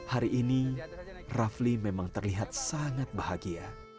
hari ini rafli memang terlihat sangat bahagia